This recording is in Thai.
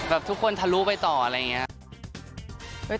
ทุกคนทะลุไปต่ออะไรอย่างนี้